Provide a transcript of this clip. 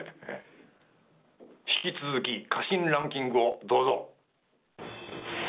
引き続き家臣ランキングをどうぞ。